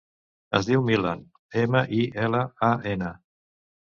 Es diu Milan: ema, i, ela, a, ena.